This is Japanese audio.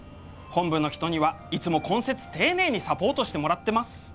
本部の人にはいつも懇切丁寧にサポートしてもらってます。